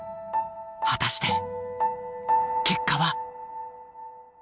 果たして結果は？